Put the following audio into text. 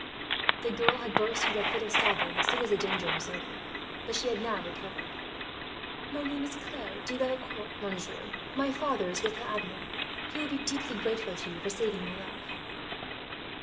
The girl had burst into a fit of sobbing, as soon as the danger was over; but she had now recovered. "My name is Claire de Valecourt, monsieur," she said. "My father is with the Admiral. He will be deeply grateful to you for saving my life."